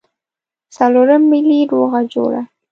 څلورم ملي روغه جوړه.